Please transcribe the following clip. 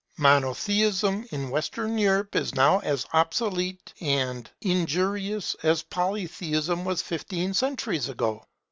Monotheism in Western Europe is now as obsolete and as injurious as Polytheism was fifteen centuries ago.